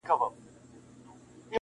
o چي د ده عاید څو چنده دا علت دی,